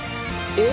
え！